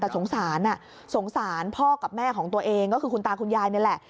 แต่สงสารสงสารพ่อกับแม่ของตัวเองก็คือคุณตาคุณยายนี่แหละ